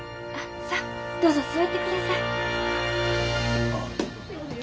さあどうぞ座って下さい。